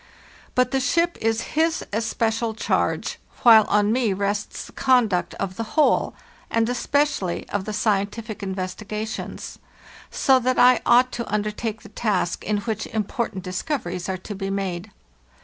But the ship is his especial charge, while on me rests the conduct of the whole, and especially of the scientific investigations; so that I ought to under take the task in which important discoveries are to be made.